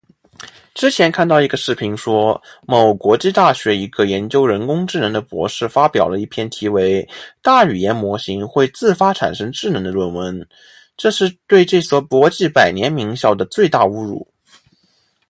之前看到一个视频说某国际大学一个研究人工智能的博士发表了一篇题为:大语言模型会自发产生智能的论文，这是对这所国际百年名校的最大侮辱